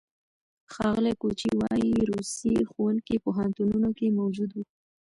ښاغلي کوچي وايي، روسي ښوونکي پوهنتونونو کې موجود وو.